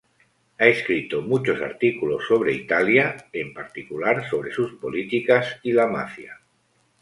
Ha escrito muchos artículos sobre Italia, en particular sobre sus políticas y la Mafia.